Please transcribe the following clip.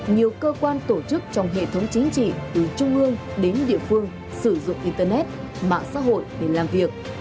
nhiều cơ quan tổ chức trong hệ thống chính trị từ trung ương đến địa phương sử dụng internet mạng xã hội để làm việc